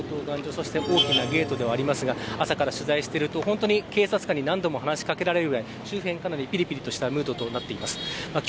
大きなゲートではありますが朝から取材してると警察官に何度も話しかけられるぐらいぴりぴりしたムードになっています。